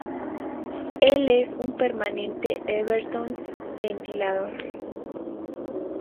Él es un permanente Everton ventilador.